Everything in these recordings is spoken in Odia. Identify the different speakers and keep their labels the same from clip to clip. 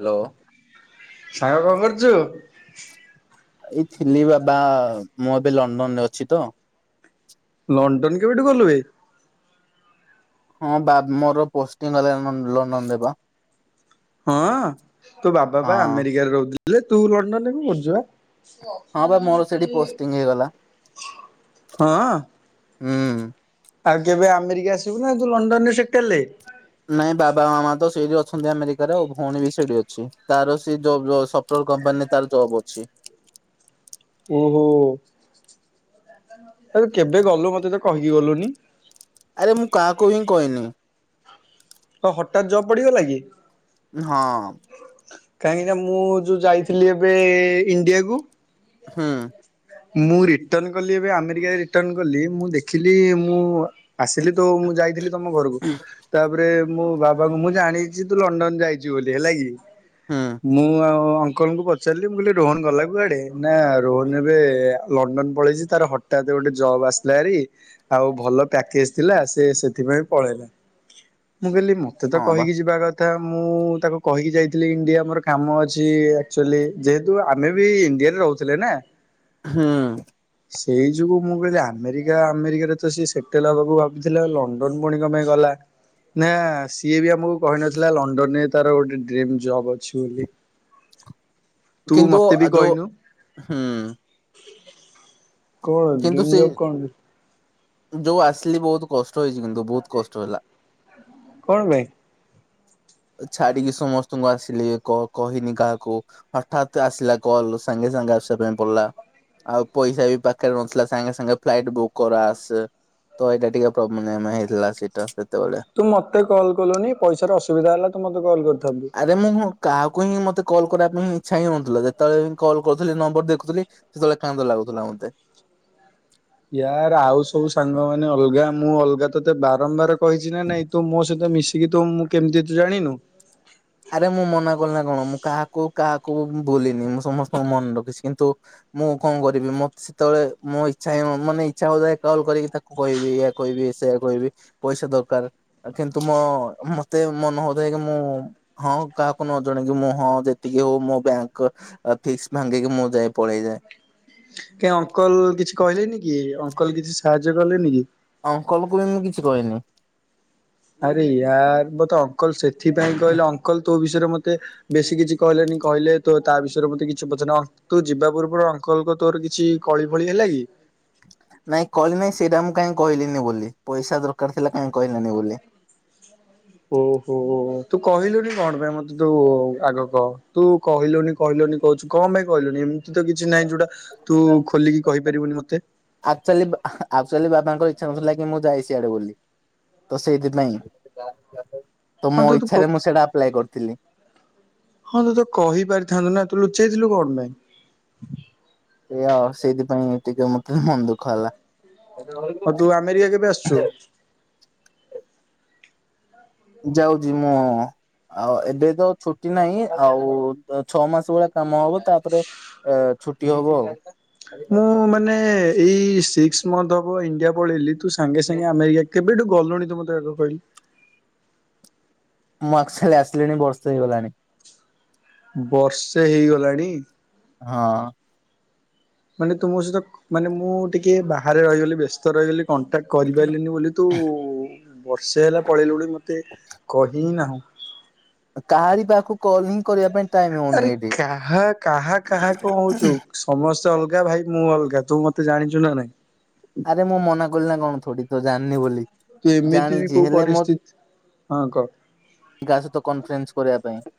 Speaker 1: ହାଲୋ।
Speaker 2: ସାଙ୍ଗ କଣ କରୁଛୁ?
Speaker 1: ଏଇ ଥିଲି ବାବା ମୁଁ ଏବେ ଲଣ୍ଡନରେ ଅଛି ତ।
Speaker 2: ଲଣ୍ଡନ କେବେଠୁ ଗଲୁବେ।
Speaker 1: ହଁ ବା ମୋର ପୋଷ୍ଟିଙ୍ଗ ଗଲା ନ ଲନ ଲଣ୍ଡନ ରେବ।
Speaker 2: ହଁ ତୋ ବାବା ପା
Speaker 1: ହଁ।
Speaker 2: ଆମେରିକାରେ ରହୁଥିଲେ ତୁ ଲଣ୍ଡନରେ କରୁଚୁବା।
Speaker 1: ହଁ ବା ମୋର ସେଇଠି ପୋଷ୍ଟିଂ ହେଇଗଲା
Speaker 2: ହଁ।
Speaker 1: ହୁଁ।
Speaker 2: ଆଉ କେବେ ଆମେରିକା ଆସିବୁ ନା ତୁ ଲଣ୍ଡନ ରେ ସେପଟେ ହେଲେ।
Speaker 1: ନାଇଁ ବାବା ମାମା ତ ସେଇଠି ଅଛନ୍ତି ଆମେରିକାରେ ଭଉଣୀ ବି ସେଇଠି ଅଛି। ତାର ସେ ଯୋଉ ସ ଟ୍ରୋଲ କମ୍ପାନୀରେ ତାର ଜବ୍ ଅଛି।
Speaker 2: ଓହୋ ଆରେ କେବେ ଗଲୁ ମତେ ତ କହିକି ଗଲୁନି।
Speaker 1: ଆରେ ମୁଁ କାହାକୁ ହିଁ କହିନି।
Speaker 2: ହଁ ହଠାତ୍ ଯବ ପଡି ଗଲାକିି।
Speaker 1: ହଁ।
Speaker 2: କାହିଁକି ନା ମୁଁ ଯୋଉଁ ଯାଇଥିଲି ଏବେ ଇଣ୍ଡିଆକୁ।
Speaker 1: ହୁଁ।
Speaker 2: ମୁଁ ରିଟର୍ଣ କଲି ଏବେ ଆମେରିକ ରିଟର୍ଣ କଲି ମୁଁ ଦେଖିଲି ମୁଁ ଆସିଲି ତ ମୁଁ ଯାଇଥିଲି। ତମ ଘରକୁ ତାପରେ ମୁଁ ବାବାଙ୍କୁ ମୁଁ ଜାଣିଛି ତୁ ଲଣ୍ଡନ ଯାଇଛୁ ବୋଲି ହେଲା କି?
Speaker 1: ହୁଁ।
Speaker 2: ମୁଁ ଆଉ ଅଙ୍କଲଙ୍କୁ ପଚାରିଲି ମୁଁ କହିଲି ରୋହନ ଗଲା କୁଆଡେ ନା ରୋହନ ଏବେ ଲଣ୍ଡନ ପଳେଇଛି ତାର ହଠାତ ଗୋଟେ ଜବ୍ ଆସିଲା ହାରି। ଆଉ ଭଲ ପ୍ୟାକେଜ ଥିଲା ସେ ସେଥିପାଇଁ ପଳେଇଲା। ମୁଁ କହିଲି ମ ତେ ତ
Speaker 1: ହଁ ବା
Speaker 2: କହିକି ଯିବା କଥା। ଥା ମୁଁ ତାକୁ କହିକି ଯାଇଥିଲି ଇଣ୍ଡିଆ ମୋର କାମ ଅଛି ଆକ୍ଚୁଆଲି ଯେହେତୁ ଆମେ ବି ଇଣ୍ଡିଆରେ ରହୁ ଥିଲେ ନା।
Speaker 1: ହୁଁ।
Speaker 2: ସେଇ ଯୋଗୁ ମୁଁ କହିଲି ଆମେରିକା ଆମେରିକାରେ ତ ସିଏ ସେଟେଲ ହବାକୁ ଭାବିଥିଲା ଲ ସୋନୁ ପୁଣି କଣପାଇଁ ଗଲା। ନା ସିଏ ବି ଆମକୁ କହିନଥିଲା ଲଣ୍ଡନ ରେ ତାର ଗୋଟେ ଡ୍ରିମ୍ ଜବ୍ ଅଛି ବୋଲି। ତୁ
Speaker 1: କିନ୍ତୁ
Speaker 2: ମତେ ବି
Speaker 1: ଯୋଉ
Speaker 2: କହିନୁ।
Speaker 1: ହୁଁ।
Speaker 2: କଣ
Speaker 1: କିନ୍ତୁ
Speaker 2: ଡ୍ରିମ୍
Speaker 1: ସେ
Speaker 2: ଜବ୍ କଣ
Speaker 1: ଯୋଉ ଆସିଲି ବହୁତ କଷ୍ଟ ହେଇଛି କିନ୍ତୁ ବହୁତ କଷ୍ଟ ହେଲା।
Speaker 2: କଣ ପାଇଁ?
Speaker 1: ଛାଡିକି ସମସ୍ତଙ୍କୁ ଆସିଲି କ କହିନି କାହାକୁ। ହଠାତ୍ ଆସିଲା କଲ ସାଙ୍ଗେ ସାଙ୍ଗେ ଆସିବା ପାଇଁ ପଡିଲା। ଆଉ ପଇସା ବି ପାଖରେ ନଥିଲା ସାଙ୍ଗେ ସାଙ୍ଗେ ଫ୍ଲାଇଟ୍ ବୁକ୍ କର ଆସେ ତ ଏଇଟା ଟିକେ ପ୍ରୋବ ନେମ ହେଇଥିଲା ସେଇଟା ସେତେବେଳେ।
Speaker 2: ତୁ ମତେ କଲ କଲୁନି ପଇସା ର ଅସୁବିଧା ହେଲା ମତେ କଲ କରିଥା
Speaker 1: ଆରେ ମୁଁ ହଁ କାହାକୁ ହିଁ ମତେ କଲ୍ କରିବା ପାଇଁ ଇଚ୍ଛା ହେଇନଥିଲା ଯେତେବେଳେ ବି କଲ୍ କରୁଥିଲି ନମ୍ବର ଦେଖୁଥିଲି ସେତେବେଳେ କାନ୍ଦ ଲାଗୁଥିଲା ମୋତେ।
Speaker 2: ୟାର ଆଉ ସବୁ ସାଙ୍ଗ ମାନେ ଅଲଗା ମୁଁ ଅଲଗା ତୋତେ ବାରମ୍ବାର କହିଛି ନା ନାଇଁ ତୁ ମୋ ସହିତ ମିଶିକି ତ ମୁଁ କେମିତି ଜାଣିନୁ।
Speaker 1: ଆରେ ମୁଁ ମନା କଲି ନା କଣ ମୁଁ କାହାକୁ କାହାକୁ ଭୁଲିନି ମୁଁ ସମସ୍ତଙ୍କ ମନେ ରଖିଛି କିନ୍ତୁ? ମୁଁ କଣ କରିବି ମ ସେତେବେଳେ ମୋ ଇଚ୍ଛା ହିଁ ମାନେ ଇଛା ହଉଥାଏ କଲ୍ କରିକି ତାକୁ କହିବି ଏୟା କହିବି ସେୟା କହିବି। ପଇସା ଦରକାର କିନ୍ତୁ ମୋ ମତେ ମନ ହଉଥାଏ କି ମୁଁ ହଁ କାହାକୁ ନ ଜଣେଇିକି ମୁଁ ହଁ ଯେତିକି ହଉ ମୋ ବ୍ୟାଙ୍କ ଫିକ୍ସ ଭାଙ୍ଗିକି ମୁଁ ଯାଏ ପଳେଇଯାଏ।
Speaker 2: କାହି ଅଙ୍କଲ କିଛି କହିଲେନି କି ଅଙ୍କଲ କିଛି ସାହାଯ୍ୟ କଲେନି କି?
Speaker 1: ଅଙ୍କଲକୁ ବି ମୁଁ କିଛି କହିନି।
Speaker 2: ଆରେ ୟାର ମୋତେ ଅଙ୍କଲ ସେଥିପାଇଁ କହିଲେ ଅଙ୍କଲ ତୋ ବିଷୟରେ ମୋତେ ବେଶୀ କିଛି କହିଲେନି କହିଲେ ତୋ ତା ବିଷୟରେ ମତେ କିଛି ପଚାରେନି ଅ ତୁ ଯିବା ପୂର୍ବରୁ ଅଙ୍କଲ କ ତୋର କିଛି କଳି ଫଳି ହେଲା କି?
Speaker 1: ନାଇଁ କହିଲେ ନାଇଁ ସେଇଟା ମୁଁ କହିଁ କହିଲିନି ବୋଲି ପଇସା ଦରକାର ଥିଲା କାହିଁ କହିଲିନି ବୋଲି।
Speaker 2: ଓହୋ ତୁ କହିଲୁନି କଣ ପାଇଁ ମତେ ତୁ ଆଗ କହ ତୁ କହିଲୁନି କହିଲୁନି କହୁଛୁ କଣ ପାଇଁ କହିଲୁନି ଏମିତି ତ କିଛି ନାହିଁ ଯୋଉଟା ତୁ ଖୋଲିକି କହିପାରିବୁନି ମତେ।
Speaker 1: ଆକଚୁଆଲି ଆକଚୁଆଲି ବାବାଙ୍କ ଇଛା ନଥିଲା କି ମୁଁ ଯାଏ ସିଆଡେ ବୋଲି। ତ ସେଇଥିପାଇଁ ତ
Speaker 2: ହଁ
Speaker 1: ମୋ
Speaker 2: ତୁ ତୁ
Speaker 1: ଇଚ୍ଛାରେ ମୁଁ
Speaker 2: ହଁ
Speaker 1: ସେଇଟା ଆପ୍ଲାଏ କରିଥିଲି।
Speaker 2: ହଁ ତ ତୁ କହିପାରିଥାନ୍ତୁ ନା ତୁ ଲୁଚେଇଥିଲୁ କଣ ପାଇଁ?
Speaker 1: ଏଇଆ ଆଉ ସେଇଥିପାଇଁ ଟିକେ ମତେ ମନ ଦୁଃଖ ହେଲା।
Speaker 2: ହଁ ତୁ ଆମେରିକା କେବେ ଆସୁଛୁ?
Speaker 1: ଯାଉଛି ମୁଁ ଆଉ ଏବେ ତ ଛୁଟି ନାଇଁ ଆଉ ଛଅ ମାସ ଭଳିଆ କାମ ହବ ତାପରେ ଏ ଛୁଟି ହବ ଆଉ।
Speaker 2: ମୁଁ ମାନେ ଏଇ ସିକ୍ସ ମଥ ହବ ଇଣ୍ଡିଆ ପଳେଇଲି ତୁ ସାଙ୍ଗେ ସାଙ୍ଗେ ଆମେରିକା କେବେଠୁ ଗୁଲୁଣି ତୁ ମତେ ଆଗ କହିଲୁ।
Speaker 1: ମୁଁ ଆକଚୁଆଲି ଆସିଲିଣି ବର୍ଷେ ହେଇଗଲାଣି।
Speaker 2: ବର୍ଷେ ହେଇଗଲାଣି।
Speaker 1: ହଁ।
Speaker 2: ମାନେ ତୁ ମୋ ସହିତ ମାନେ ମୁଁ ଟିକେ ବାହାରେ ରହିଗଲି ବ୍ୟସ୍ତ ରହିଗଲି କଣ୍ଟାକ୍ଟ କରିପାରିଲିନି ବୋଲି ତୁ ବର୍ଷେ ହେଲା ପଳେଇଲୁଣି ମତେ ମତେ କହି ହି ନାହୁଁ।
Speaker 1: କାହାରି ପାଖକୁ କଲ ହିଁ କରିବା ପାଇଁ ଟାଇମ ହଉନି
Speaker 2: ଆରେ
Speaker 1: ଏଇଠି।
Speaker 2: କାହା କାହା କାହା କଅ ହଉଛୁ। ସମସ୍ତେ ଅଲଗା ଭାଇ ମୁଁ ଅଲଗା ତୁ ମତେ ଜାଣିଛୁ ନା ନାଇଁ।
Speaker 1: ଆରେ ମୁଁ ମନା କଲି ନା କଣ ଥୋଡି ତ ଜାଣିନି ବୋଲି।
Speaker 2: ତୁ ଏମିତି ବି
Speaker 1: ଜାଣିଛି
Speaker 2: କୋଉ
Speaker 1: ହେଲେ
Speaker 2: ପରିସ୍ଥିତି ହଁ କହ।
Speaker 1: ଯାହା ସହିତ କନଫରେନ୍ସ କରିବା ପାଇଁ।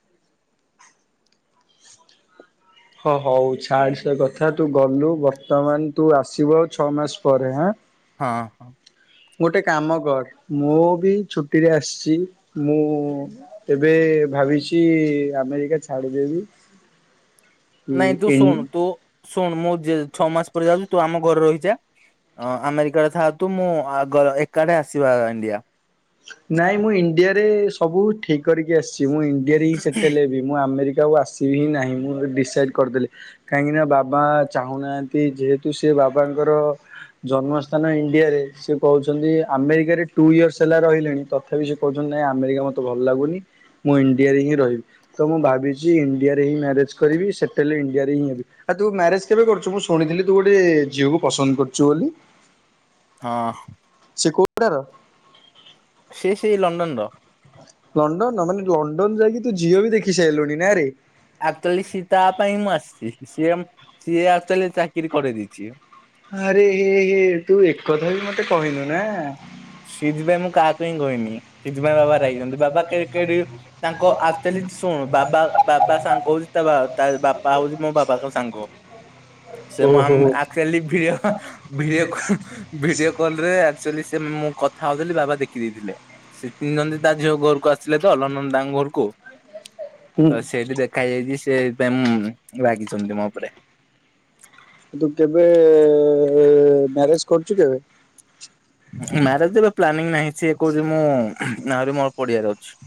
Speaker 2: ହଁ ହଉ ଛାଡ୍ ସେ କଥା। ତୁ ଗଲୁ ବର୍ତ୍ତମାନ ତୁ ଆସିବୁ ଆଉ ଛଅ ମାସ ପରେ ହ୍ନା?
Speaker 1: ହଁ ହଁ।
Speaker 2: ଗୋଟେ କାମ କର, ମୁଁ ବି ଛୁଟିରେ ଆସିଛି ମୁଁ ଏବେ ଭାବିଛି ଆମେରିକା ଛାଡିଦେବି।
Speaker 1: ନାଇଁ ତୁ ଶୁଣୁ ତୁ ଶୁଣୁ ମୁଁ ଯେ ଛଅ ମାସ ପରେ ଯାଉଛି। ତୁ ଆମ ଘରେ ରହିଯା। ଅ ଆମେରିକାରେ ଥାଆ ତୁ ମୁଁ ଆଗର ଏକାଠେ ଆସିବା ଇଣ୍ଡିଆ।
Speaker 2: ନାଇଁ ମୁଁ ଇଣ୍ଡିଆରେ ସବୁ ଠିକ୍ କରିକି ଆସିଛି। ମୁଁ ଇଣ୍ଡିଆରେ ହିଁ ସେଟେଲ୍ ହେବି। ମୁଁ ଆମେରିକାକୁ ଆସିବି ହିଁ ନାହିଁ। ମୁଁ ଡିସାଇଡ଼୍ କରିଦେଲି। କାହିଁକିନା ବାବା ଚାହୁଁନାହାନ୍ତି, ଯେହେତୁ ସେ ବାବାଙ୍କର ଜନ୍ମସ୍ଥାନ ଇଣ୍ଡିଆରେ। ସେ କହୁଛନ୍ତି ଆମେରିକାରେ ଟୁ ଇୟର୍ସ ହେଲା ରହିଲେଣି। ତଥାପି ସେ କହୁଛନ୍ତି ନାଇଁ ଆମେରିକା ମତେ ଭଲ ଲାଗୁନି। ମୁଁ ଇଣ୍ଡିଆରେ ହିଁ ରହିବି। ତ ମୁଁ ଭାବିଛି ଇଣ୍ଡିଆରେ ହିଁ ମ୍ୟାରେଜ୍ କରିବି। ସେଟେଲ୍ ଇଣ୍ଡିଆରେ ହିଁ ହେବି। ଆଉ ତୁ ମ୍ୟାରେଜ୍ କେବେ କରୁଛୁ? ମୁଁ ଶୁଣିଥିଲି ତୁ ଗୋଟେ ଝିଅକୁ ପସନ୍ଦ କରୁଛୁ ବୋଲି?
Speaker 1: ହଁ।
Speaker 2: ସେ କଉଟାର।
Speaker 1: ସେ ସେଇ ଲଣ୍ଡନ୍ ର।
Speaker 2: ଲଣ୍ଡନ୍ ମାନେ ଲଣ୍ଡନ୍ ଯାଇକି ତୁ ଝିଅ ବି ଦେଖି ସାଇଲୁଣି ନାଁରେ?
Speaker 1: ଆକ୍ଚୁଆଲି ସିଏ ତା ପାଇଁ ମୁଁ ଆସିଛି। ସିଏମ୍, ସିଏ ଆକ୍ଚୁଆଲି ଚାକିରି କରେଇ ଦେଇଛି।
Speaker 2: ଆରେ ହେ ହେ ତୁ ଏକଥା ବି ମତେ କହିନୁ ନା?
Speaker 1: ସେଇଥି ପାଇଁ ମୁଁ କାହାକୁ ହିଁ କହିନି। ସେଇଥି ପାଇଁ ବାବା ରାଗିଛନ୍ତି ବାବା କେ କେ ତାଙ୍କ ଆକ୍ଚୁଆଲି ଶୁଣୁ, ବାବା ବାବା ସାଙ୍ଗ ହଉଛି ତା ବାପା ହଉଛି ମୋ ବାବାଙ୍କ ସାଙ୍ଗ। ସେ ମୁଁ ଆମ
Speaker 2: ଓହୋ।
Speaker 1: ଆକ୍ଚୁଆଲି ଭିଅ- ଭିଡିଓ ଭିଡିଓ କଲ୍ ରେ ଆକ୍ଚୁଆଲି ଦେନ୍ ମୁଁ କଥା ହଉଥିଲି ବାବା ଦେଖି ଦେଇଥିଲେ। ସେ ତିନିଛନ୍ତି ତା ଝିଅ ଘରକୁ ଆସିଲେ ତ ଲଣ୍ଡନ ତାଙ୍କ ଘରକୁ।
Speaker 2: ହୁଁ
Speaker 1: ତ ସେଇଠି ଦେଖା ହେଇଯାଇଛି ସେ ଏଇଥି ପାଇଁ ରାଗିଛନ୍ତି ମୋ ଉପରେ।
Speaker 2: ତୁ କେବେ ମ୍ୟାରେଜ୍ କରୁଛୁ କେବେ?
Speaker 1: ମ୍ୟାରେଜ୍ ର ପ୍ଲାନିଂ ନାହିଁ, ସିଏ କହୁଛି ମୁଁ ଆହୁରି ମୋର ପଢିବାର ଅଛି।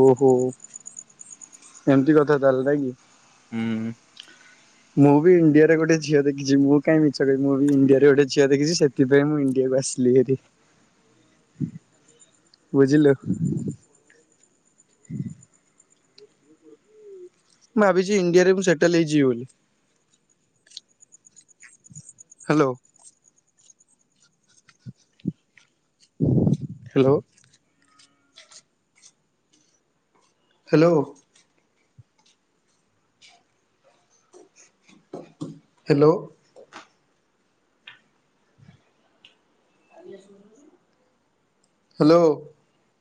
Speaker 2: ଓହୋ। ଏମିତି କଥା ତାଲେ ନା କି?
Speaker 1: ହୁଁ।
Speaker 2: ମୁଁ ବି ଇଣ୍ଡିଆରେ ଗୋଟେ ଝିଅ ଦେଖିଛି। ମୁଁ କାଈ ମିଛ କହିବି। ମୁଁ ବି ଇଣ୍ଡିଆରେ ଗୋଟେ ଝିଅ ଦେଖିଛି। ସେ ସେଥିପାଇଁ ମୁଁ ଇଣ୍ଡିଆକୁ ଆସିଲି ହାରି ବୁଝିଲୁ। ମୁଁ ଭାବିଛି ଇଣ୍ଡିଆରେ ମୁ ସେଟେଲ୍ ହେଇଯିବି ବୋଲି। Hello. Hello. Hello. Hello. [inaudible] Hello.